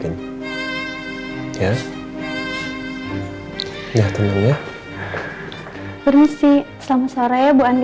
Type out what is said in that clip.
ini jawabannya berjudipan